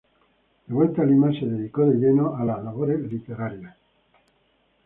De vuelta a Lima, se dedicó de lleno a las labores literarias.